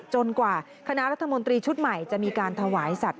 กว่าคณะรัฐมนตรีชุดใหม่จะมีการถวายสัตว